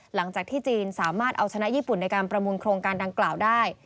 หลังจากที่จีนสามารถเอาชนะญี่ปุ่นในการประมูลโครงการดังกล่าวได้